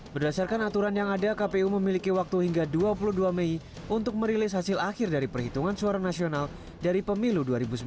berdasarkan aturan yang ada kpu memiliki waktu hingga dua puluh dua mei untuk merilis hasil akhir dari perhitungan suara nasional dari pemilu dua ribu sembilan belas